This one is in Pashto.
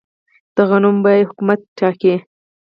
د غنمو بیه حکومت ټاکي؟